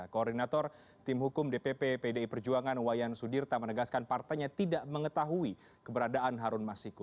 koordinator tim hukum dpp pdi perjuangan wayan sudirta menegaskan partainya tidak mengetahui keberadaan harun masiku